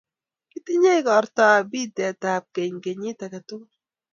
Kitinye igortab pitetab keny kenyiit age tugul.